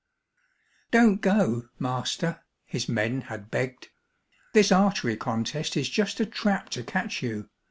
"Don't go, master," his men had begged. "This archery contest is just a trap to catch you.